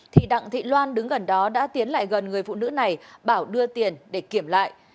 thì đặng thị loan đứng gần đó đã tiến lại gần người phụ nữ này bảo đưa tiền để kiểm lại